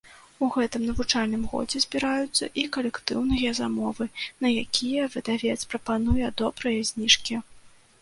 У гэтым навучальным годзе збіраюцца і калектыўныя замовы, на якія выдавец прапануе добрыя зніжкі.